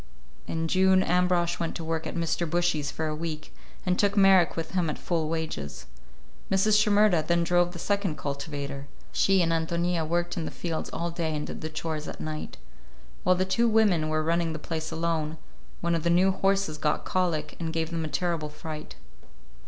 In June Ambrosch went to work at Mr. Bushy's for a week, and took Marek with him at full wages. Mrs. Shimerda then drove the second cultivator; she and Ántonia worked in the fields all day and did the chores at night. While the two women were running the place alone, one of the new horses got colic and gave them a terrible fright.